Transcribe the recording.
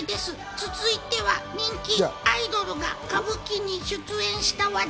続いては人気アイドルが歌舞伎に出演した話題。